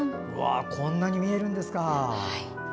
こんなに見えるんですか。